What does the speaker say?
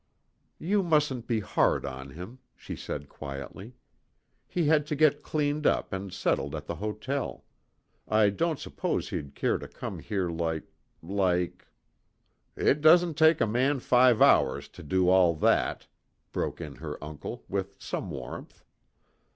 "You mustn't be hard on him," she said quietly. "He had to get cleaned up and settled at the hotel. I don't suppose he'd care to come here like like " "It doesn't take a man five hours to do all that," broke in her uncle, with some warmth.